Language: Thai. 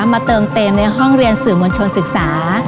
มาเติมเต็มในห้องเรียนสื่อมวลชนศึกษา